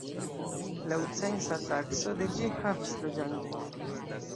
Laŭ censa takso de ĝi havis loĝantojn.